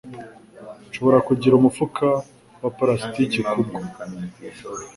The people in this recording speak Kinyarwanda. Nshobora kugira umufuka wa plastiki kubo?